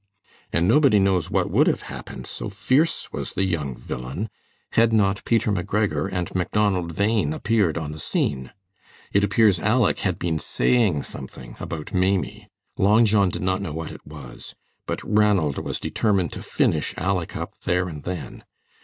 And nobody knows what would have happened, so fierce was the young villain, had not Peter McGregor and Macdonald Bhain appeared upon the scene. It appears Aleck had been saying something about Maimie, Long John did not know what it was; but Ranald was determined to finish Aleck up there and then.